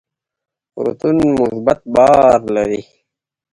پروتون مثبت بار لري.